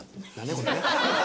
これね。